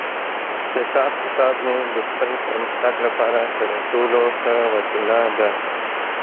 حساب کتاب مې د خپل پرمختګ لپاره تر ټولو ښه وسیله ده.